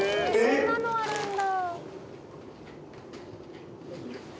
「そんなのあるんだ」